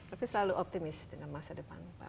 tapi selalu optimis dengan masa depan pak